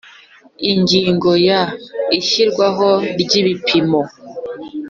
Ingingo ya ishyirwaho ry ibipimo